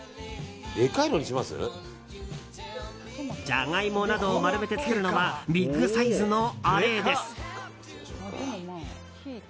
ジャガイモなどを丸めて作るのはビッグサイズのあれです。